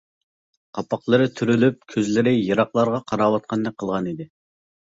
قاپاقلىرى تۈرۈلۈپ كۆزلىرى يىراقلارغا قاراۋاتقاندەك قىلغانىدى.